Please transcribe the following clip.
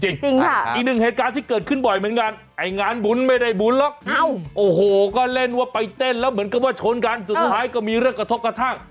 จริงค่ะอีกหนึ่งเหตุการณ์ที่เกิดขึ้นบ่อยเหมือนกันไอ้งานบุญไม่ได้บุญหรอกโอ้โหก็เล่นว่าไปเต้นแล้วเหมือนกับว่าชนกันสุดท้ายก็มีเรื่องกระทบกระทั่ง